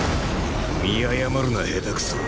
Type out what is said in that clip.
見誤るな下手くそ。